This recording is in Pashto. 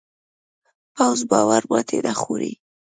پوخ باور ماتې نه خوري